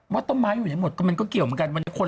ว่าต้นไม้อยู่ไหนหมดก็มันก็เกี่ยวเหมือนกันวันนี้คน